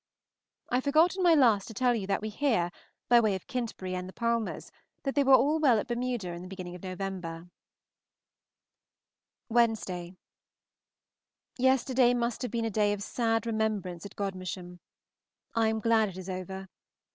I forgot in my last to tell you that we hear, by way of Kintbury and the Palmers, that they were all well at Bermuda in the beginning of Nov. Wednesday. Yesterday must have been a day of sad remembrance at Gm. I am glad it is over.